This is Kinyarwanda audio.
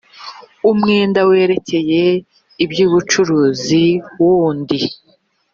umwenda werekeye iby ubucuruzi wundi